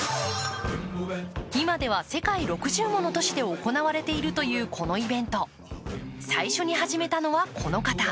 今では世界６０もの都市で行われているというこのイベント、最初に始めたのはこの方。